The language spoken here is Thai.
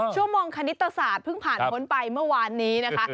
ชั่วโมงคณิตศาสตร์เพิ่งผ่านพ้นไปเมื่อวานนี้นะคะ